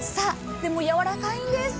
でもやわらかいんです。